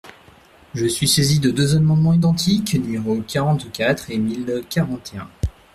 Je suis saisi de deux amendements identiques, numéros quarante-quatre et mille quarante et un.